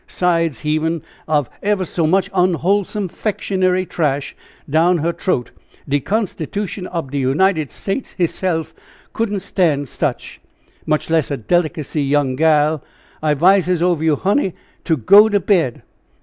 'sides heavin' of ever so much unwholesome 'fectionery trash down her t'roat de constitution ob de United States hisself couldn't stan' sich! much less a delicy young gall! I 'vises ov you, honey, to go to bed."